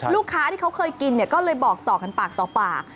ลูกค้าที่เขาเคยกินก็เลยบอกต่อกันปากต่อปาก